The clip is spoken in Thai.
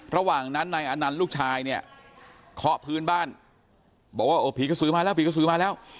ระหว่างนั้นในอันนั้นลูกชายเนี่ยเคาะพื้นบ้านบอกว่าผีกระสือมาแล้ว